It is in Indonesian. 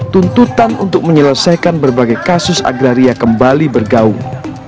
tuntutan untuk menyelesaikan berbagai kasus agraria kembali bergaung